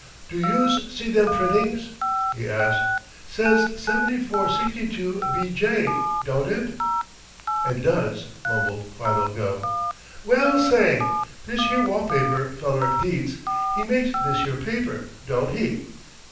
"Do youse see them printings?" he asked. "Says 7462 B J, don't it?" "It does," mumbled Philo Gubb. "Well, say! This here wall paper feller Dietz he makes this here paper, don't he?